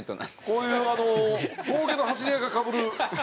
こういうあの峠の走り屋がかぶる。